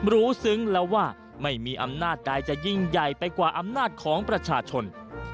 ซึ้งแล้วว่าไม่มีอำนาจใดจะยิ่งใหญ่ไปกว่าอำนาจของประชาชน